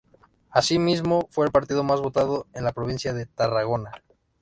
Asimismo, fue el partido más votado en la provincia de Tarragona.